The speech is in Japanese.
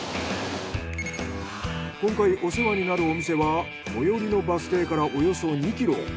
今回お世話になるお店は最寄りのバス停からおよそ２ｋｍ。